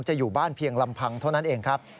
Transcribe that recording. อยู่บ้านเพียงลำพังเท่านั้นเองครับ